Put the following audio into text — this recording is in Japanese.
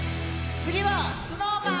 次はＳｎｏｗＭａｎ！